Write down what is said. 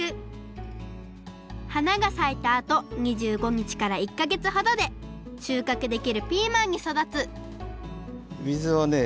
はながさいたあと２５にちから１かげつほどでしゅうかくできるピーマンにそだつ水をね